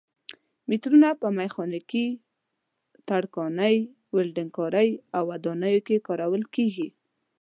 مترونه په میخانیکي، ترکاڼۍ، ولډنګ کارۍ او ودانیو کې کارول کېږي.